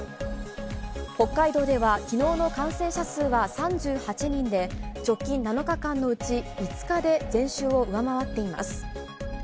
北海道では昨日の感染者数は３８人で直近７日間のうち５日で前週を上回っています。